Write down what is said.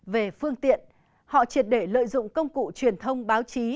về phương tiện họ triệt để lợi dụng công cụ truyền thông báo chí